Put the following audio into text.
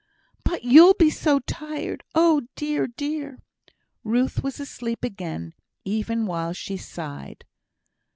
"But you'll be so tired. Oh, dear! dear!" Ruth was asleep again, even while she sighed.